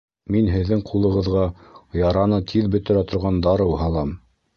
Мин һеҙҙең ҡулығыҙға яраны тиҙ бөтөрә торған дарыу һалам